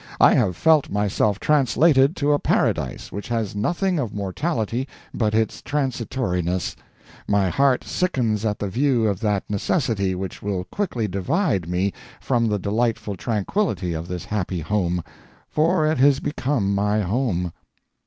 I have felt myself translated to a paradise which has nothing of mortality but its transitoriness; my heart sickens at the view of that necessity which will quickly divide me from the delightful tranquillity of this happy home for it has become my home.